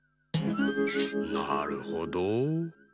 なるほど。